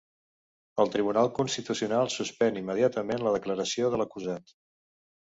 El Tribunal Constitucional suspèn indeterminadament la declaració de l'acusat